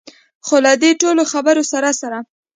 خو له دې ټولو خبرو سره سره.